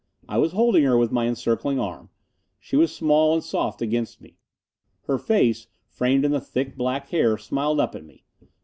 I was holding her with my encircling arm. She was small and soft against me. Her face, framed in the thick, black hair, smiled up at me.